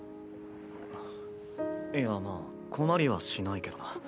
いやまあ困りはしないけどな。